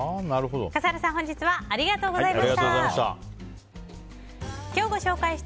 笠原さん、本日はありがとうございました。